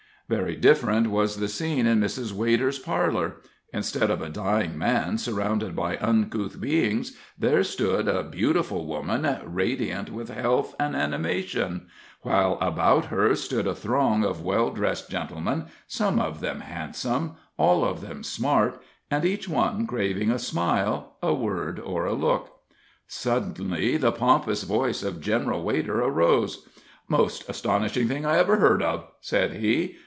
Very different was the scene in Mrs. Wader's parlor; instead of a dying man surrounded by uncouth beings, there stood a beautiful woman, radiant with health and animation; while about her stood a throng of well dressed gentlemen, some of them handsome, all of them smart, and each one craving a smile, a word, or a look. Suddenly the pompous voice of General Wader arose: "Most astonishing thing I ever heard of," said he.